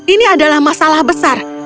ini adalah masalah besar